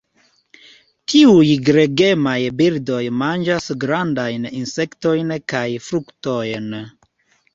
Tiuj gregemaj birdoj manĝas grandajn insektojn kaj fruktojn.